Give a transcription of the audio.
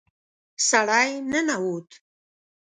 سړی ننوت.